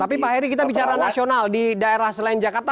tapi pak heri kita bicara nasional di daerah selain jakarta